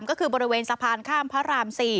ก็คือบริเวณสะพานข้ามพระราม๔